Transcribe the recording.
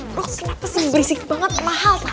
bro kenapa sih berisik banget mahal tau